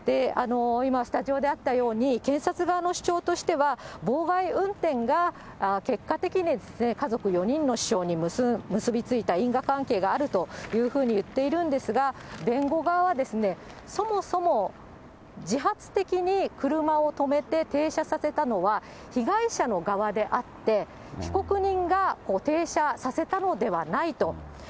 今、スタジオであったように、検察側の主張としては、妨害運転が結果的に家族４人の死傷に結び付いた因果関係があるというふうに言っているんですが、弁護側はそもそも自発的に車を止めて停車させたのは被害者の側であって、被告人が停車させたのではないと。